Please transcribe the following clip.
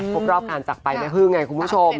พบรอบกันจากปลายแม่พึ่งคุณผู้ชม